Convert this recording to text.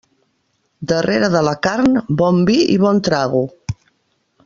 Darrere de la carn, bon vi i bon trago.